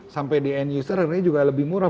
sampai di end user ini juga lebih murah